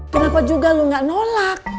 kenapa juga lo gak nolak